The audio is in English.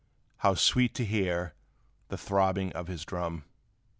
How sweet to hear the throbbing of his drum